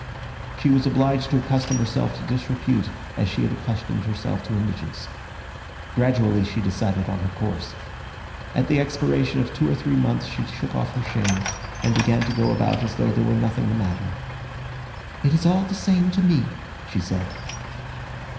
She was obliged to accustom herself to disrepute, as she had accustomed herself to indigence. Gradually she decided on her course. At the expiration of two or three months she shook off her shame, and began to go about as though there were nothing the matter. "It is all the same to me," she said.